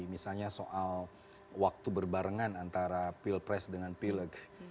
misalnya soal waktu berbarengan antara pilpres dengan pileg